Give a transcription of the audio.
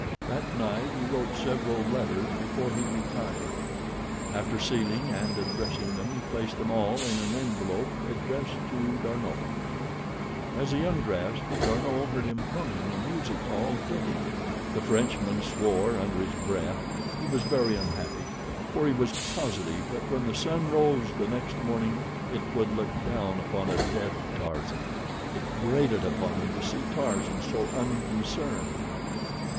That night he wrote several letters before he retired. After sealing and addressing them he placed them all in an envelope addressed to D'Arnot. As he undressed D'Arnot heard him humming a music hall ditty. The Frenchman swore under his breath. He was very unhappy, for he was positive that when the sun rose the next morning it would look down upon a dead Tarzan. It grated upon him to see Tarzan so unconcerned.